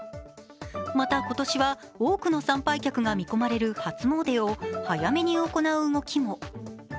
また、今年は多くの参拝客が見込まれる初詣を早めに行う動きも。